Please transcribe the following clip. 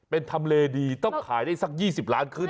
เป็นทำเลดีต้องขายได้สัก๒๐ล้านขึ้น